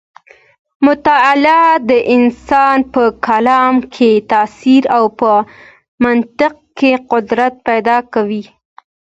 مطالعه د انسان په کلام کې تاثیر او په منطق کې قوت پیدا کوي.